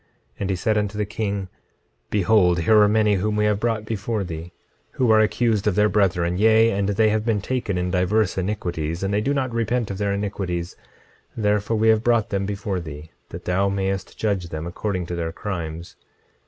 26:11 And he said unto the king: Behold, here are many whom we have brought before thee, who are accused of their brethren; yea, and they have been taken in divers iniquities. And they do not repent of their iniquities; therefore we have brought them before thee, that thou mayest judge them according to their crimes.